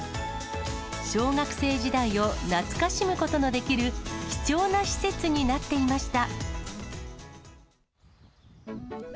小学生時代を懐かしむことのできる、貴重な施設になっていました。